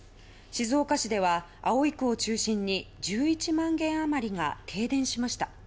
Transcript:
静岡市では葵区を中心に１１万軒余りが停電しました。